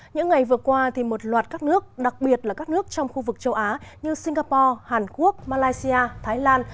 những ngày vừa qua một loạt các nước đặc biệt là các nước trong khu vực châu á như singapore hàn quốc malaysia thái lan